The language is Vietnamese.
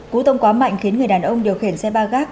cú tông quá mạnh khiến người đàn ông điều khiển xe ba gác